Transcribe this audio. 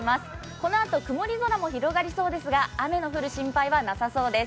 このあと、曇り空も広がりそうですが雨の降る心配はなさそうです。